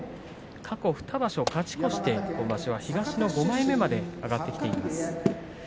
過去２場所、勝ち越して東の５枚目まで今場所は上がってきています。